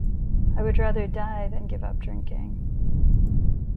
I would rather die than give up drinking.